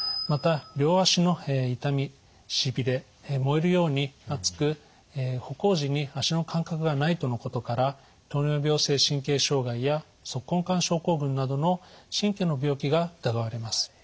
また両足の痛みしびれ燃えるように熱く歩行時に足の感覚がないとのことから糖尿病性神経障害や足根管症候群などの神経の病気が疑われます。